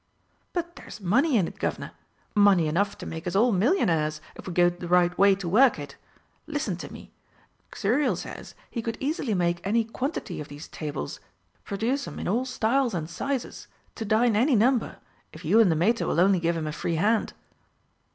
"But there's money in it, Guv'nor money enough to make us all millionaires if we go the right way to work it! Listen to me. Xuriel says he could easily make any quantity of these tables produce 'em in all styles and sizes, to dine any number, if you and the Mater will only give him a free hand."